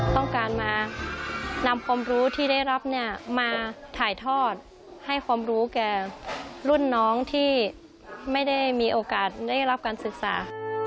ต้องการมานำความรู้ที่ได้รับเนี่ยมาถ่ายทอดให้ความรู้แก่รุ่นน้องที่ไม่ได้มีโอกาสได้รับการศึกษา